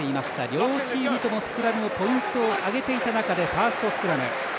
両チームともスクラムをポイントを挙げていた中でファーストスクラム。